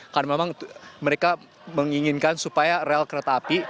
karena memang mereka menginginkan supaya rel kereta api